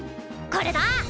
これだ！